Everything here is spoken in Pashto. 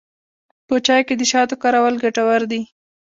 په چای کې د شاتو کارول ګټور دي.